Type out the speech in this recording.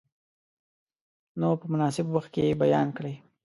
نو په مناسب وخت کې یې بیان کړئ.